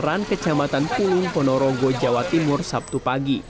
di desa banaran kecamatan pulung ponorogo jawa timur sabtu pagi